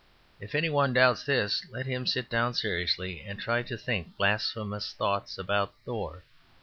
If any one doubts this, let him sit down seriously and try to think blasphemous thoughts about Thor.